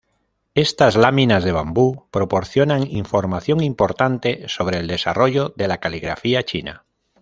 Estas láminas de bambú proporcionan información importante sobre el desarrollo de la caligrafía china.